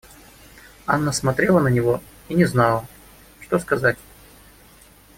Анна смотрела на него и не знала, что сказать.